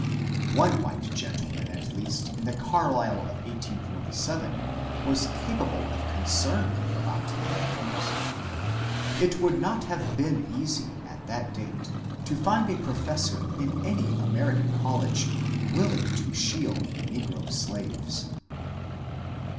One white gentleman at least in the Carlisle of 1847 was capable of concern about the negroes I It would not have been easy at that date to find a professor in any American college willing to shield negro slaves.